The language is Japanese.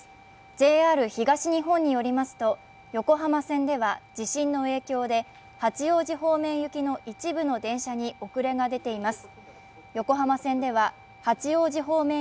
ＪＲ東日本によりますと、横浜線では地震の影響で八王子方面行きの一部の電車に遅れが出ています。